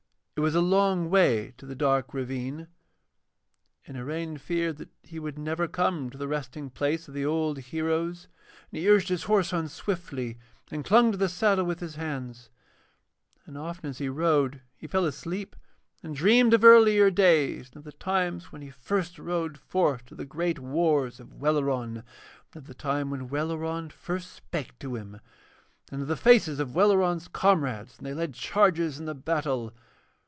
It was a long way to the dark ravine, and Iraine feared that he would never come to the resting place of the old heroes, and he urged his horse on swiftly, and clung to the saddle with his hands. And often as he rode he fell asleep, and dreamed of earlier days, and of the times when he first rode forth to the great wars of Welleran, and of the time when Welleran first spake to him, and of the faces of Welleran's comrades when they led charges in the battle.